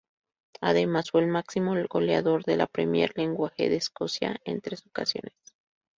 Además, fue el máximo goleador de la Premier League de Escocia en tres ocasiones.